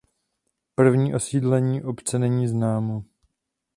První osídlení obce není známo.